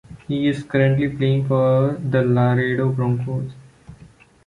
He is currently playing for the Laredo Broncos.